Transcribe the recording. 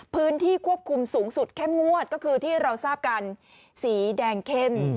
พื้นที่ควบคุมสูงสุดเข้มงวดก็คือที่เราทราบกันสีแดงเข้ม